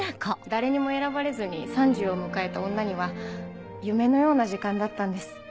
誰にも選ばれずに３０を迎えた女には夢のような時間だったんです。